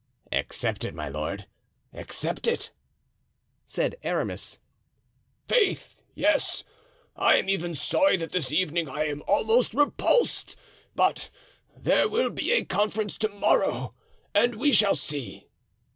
"Accept it, my lord, accept it," said Aramis. "Faith! yes. I am even sorry that this evening I almost repulsed—but there will be a conference to morrow and we shall see."